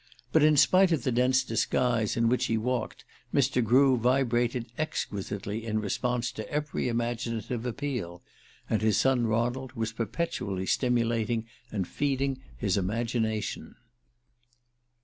But in spite of the dense disguise in which he walked Mr. Grew vibrated exquisitely in response to every imaginative appeal; and his son Ronald was perpetually stimulating and feeding his imagination.